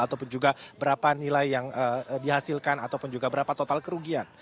ataupun juga berapa nilai yang dihasilkan ataupun juga berapa total kerugian